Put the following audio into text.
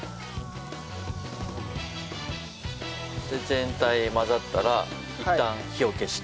全体混ざったらいったん火を消して。